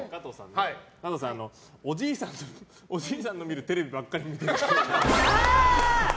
加藤さん、おじいさんの見るテレビばっかり見てるっぽい。